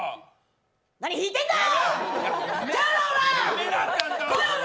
何引いてんだよ！